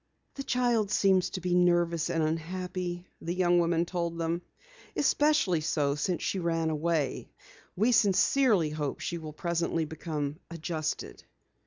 "The child seems to be nervous and unhappy," the young woman told them. "Especially so since she ran away. We sincerely hope she will presently become adjusted."